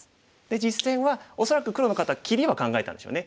実戦は恐らく黒の方切りは考えたんでしょうね。